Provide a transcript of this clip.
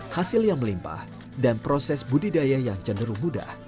hasil yang melimpah dan proses budidaya yang cenderung mudah